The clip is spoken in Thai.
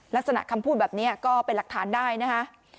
ลักษณะคำพูดแบบนี้ก็เป็นหลักฐานได้นะคะ